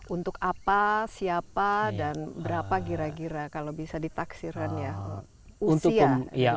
untuk apa siapa dan berapa kira kira kalau bisa ditaksirkan ya usia